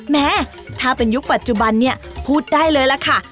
แม้ถ้าเป็นยุคปัจจุบันเนี่ยพูดได้เลยล่ะค่ะ